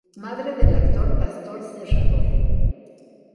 Madre del actor Pastor Serrador.